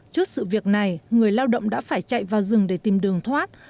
trước sự việc này người lao động đã phải chạy vào rừng để tìm đường thoát